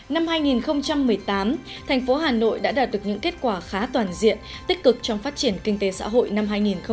năm hai nghìn một mươi tám thành phố hà nội đã đạt được những kết quả khá toàn diện tích cực trong phát triển kinh tế xã hội năm hai nghìn một mươi chín